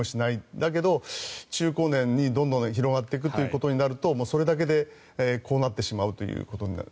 だけど、中高年にどんどん広がっていくということになるとそれだけでこうなってしまうということになる。